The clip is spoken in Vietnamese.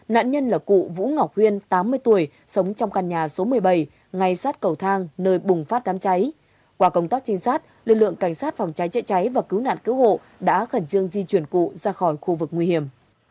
nạn nhân là cụ vũ ngọc huyên tám mươi tuổi sống trong căn nhà số một mươi bảy ngay sát cầu thang nơi bùng phát đám cháy qua công tác trinh sát lực lượng cảnh sát phòng cháy chữa cháy và cứu nạn cứu hộ đã khẩn trương di chuyển cụ ra khỏi khu vực nguy hiểm